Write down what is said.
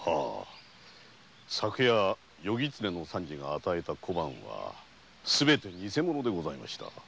昨夜夜狐の三次が与えた小判はすべて偽物でございました。